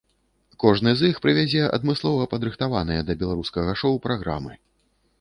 Кожны з іх прывязе адмыслова падрыхтаваныя да беларускага шоў праграмы.